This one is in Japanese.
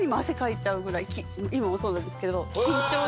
今もそうなんですけど。